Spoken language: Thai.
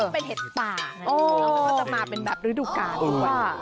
เป็นเห็ดป่ามันก็จะมาเป็นแบบฤดูกาหนึ่ง